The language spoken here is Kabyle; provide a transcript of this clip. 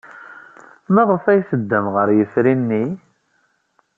Maɣef ay teddam ɣer yifri-nni?